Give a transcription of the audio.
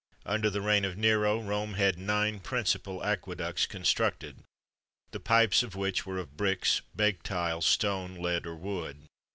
Under the reign of Nero, Rome had nine principal aqueducts[XXV 16] constructed, the pipes of which were of bricks, baked tiles, stone, lead, or wood.